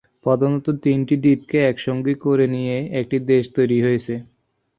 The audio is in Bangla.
প্রধানত তিনটি দ্বীপকে একসঙ্গে করে নিয়ে এই দেশটি তৈরি হয়েছে।